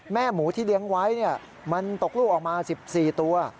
หมูที่เลี้ยงไว้มันตกลูกออกมา๑๔ตัว